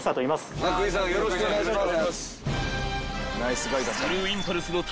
名久井さんよろしくお願いします。